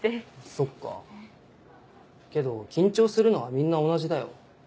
そっかけど緊張するのはみんな同じだよ。